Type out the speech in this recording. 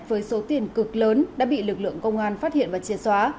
với số tiền cực lớn đã bị lực lượng công an phát hiện và chìa xóa